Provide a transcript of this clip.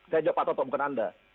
saya coba pak toto bukan anda